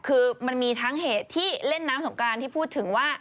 คือมันมีทั้งเหตุที่เล่นน้ำสงกรานที่พูดถึงว่า